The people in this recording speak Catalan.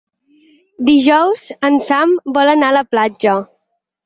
Dijous en Sam vol anar a la platja.